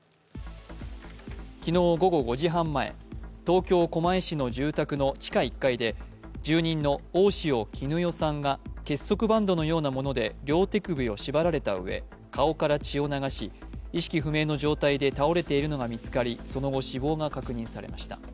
昨日午後５時半前、東京・狛江市の住宅の地下１階で住人の大塩衣与さんが結束バンドのようなもので両手首を縛られたうえ、顔から血を流し意識不明の状態で倒れているのが見つかり、その後、死亡が確認されました。